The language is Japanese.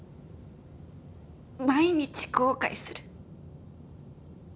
毎日後悔する。